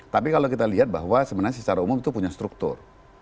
tapi kalau kita lihat bahwa sebenarnya secara umum itu punya struktur